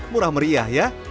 murah meriah ya